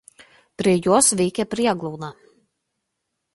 Prie jos veikė prieglauda.